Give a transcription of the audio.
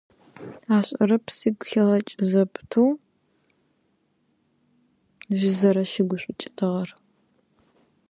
Не знают, как на каждом шагу он оскорблял меня и оставался доволен собой.